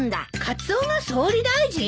カツオが総理大臣？